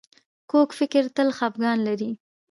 کوږ فکر تل خپګان لري